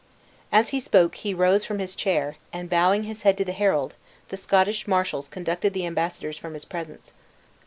As he spoke he rose from his chair, and bowing his head to the herald, the Scottish marshals conducted the embassadors from his presence.